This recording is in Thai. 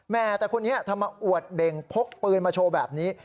แต่คนนี้ทำไมอวดเบ่งพกปืนมาโชว์แบบนี้